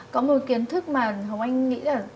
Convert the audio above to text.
có một kiến thức mà hồng anh nghĩ là